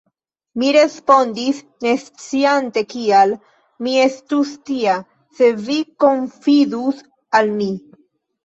Mi respondis, nesciante kial: Mi estus tia, se vi konfidus al mi.